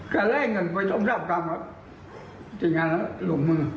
การไล่เงินเขาไปทำสักข้ามล่ะไปเรียนหน้าลูกมึง